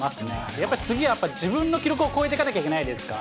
やっぱ次はやっぱ、自分の記録を超えていかなきゃいけないですから。